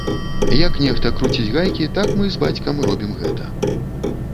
Як нехта круціць гайкі, так мы з бацькам робім гэта.